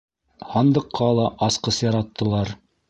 Һандыҡҡа ла асҡыс яраттылар.